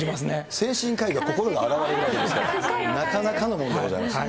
精神科医が心が洗われるぐらいですから、なかなかのものでございます。